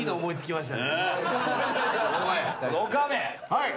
はい！